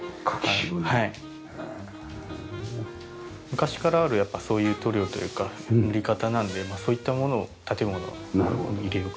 昔からあるそういう塗料というか塗り方なのでそういったものを建物に入れようかなという。